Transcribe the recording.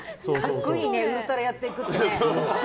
格好いいねウルトラやっていくってね。